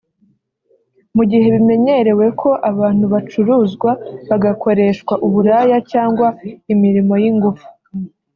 Mu gihe bimenyerewe ko abantu bacuruzwa bagakoreshwa uburaya cyangwa imirimo y’ingufu